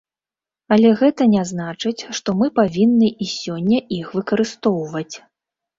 Але гэта не значыць, што мы павінны і сёння іх выкарыстоўваць.